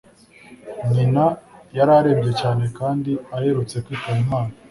Nyina yari arembye cyane kandi aherutse kwitaba Imana.